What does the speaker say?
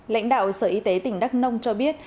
lãnh đạo sở y tế tỉnh đắk nông cho biết